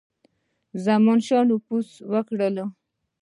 زمانشاه به نفوذ وکړي.